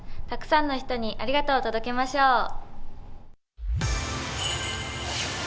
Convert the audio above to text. たくさんの人にありがとうを届けましょう。